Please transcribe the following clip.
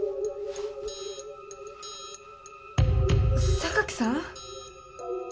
榊さん？